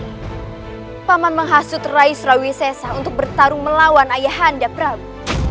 tapi paman menghasut rai surawisesa untuk bertarung melawan ayah hunanda prabu